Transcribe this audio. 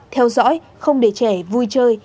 theo dõi không để trẻ vui chơi